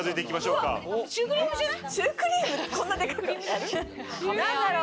うわ、シュークリームじゃない？